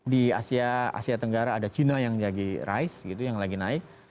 di asia tenggara ada cina yang lagi naik